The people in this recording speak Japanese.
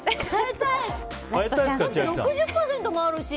だって６０％もあるし。